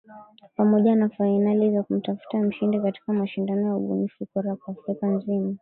pamoja na fainali za kumtafuta mshindi katika mashindano ya ubunifu Kora kwa Africa nzima